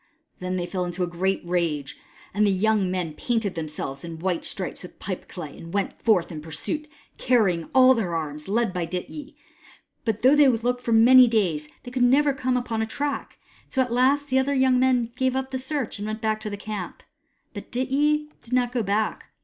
Then they fell into a great rage, and the young men painted themselves in white stripes with pipeclay, and went forth in pursuit, carrying all their arms, and led by Dityi. But though they looked for many days, they could never come upon a track ; and so at last the other young men gave up the search, and went back to the camp. But Dityi did not go back.